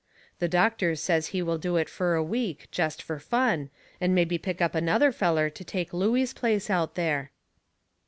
The doctor says he will do it fur a week, jest fur fun, and mebby pick up another feller to take Looey's place out there.